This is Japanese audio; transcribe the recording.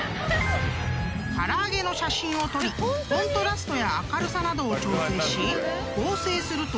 ［唐揚げの写真を撮りコントラストや明るさなどを調整し合成すると］